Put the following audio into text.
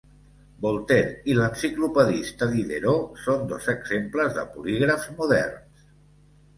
Voltaire i l'enciclopedista Diderot són dos exemples de polígrafs moderns.